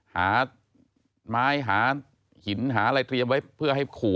หาไม้หาหินหาอะไรเตรียมไว้เพื่อให้ขู่